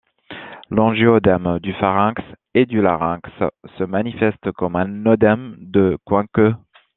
L'angio-œdème du pharynx et du larynx se manifeste comme un œdème de Quincke.